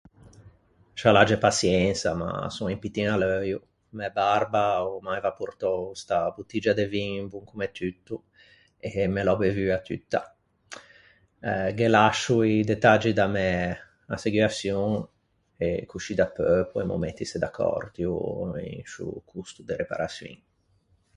Scià l’agge paçiensa ma son un pittin à l’euio, mæ barba o m’aiva portou sta bottiggia de vin bon comme tutto e me l’ò bevua tutta. Eh ghe lascio i detaggi da mæ asseguaçion e coscì dapeu poemmo mettise d’accòrdio in sciô costo de reparaçioin.